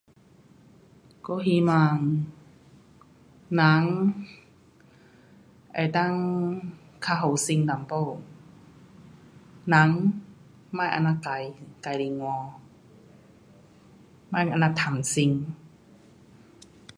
我希望人能够较好心一点，人别这样坏，坏心肝，别这样贪心。